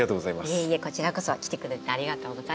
いえいえこちらこそ来てくれてありがとうございます。